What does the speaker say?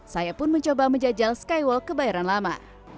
saya pun mencoba menjajal skywalk kebayoran lama